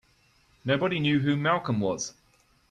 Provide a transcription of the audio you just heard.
Nobody knew who Malcolm was.